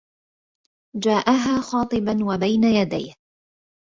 جاءها خاطبا وبين يديه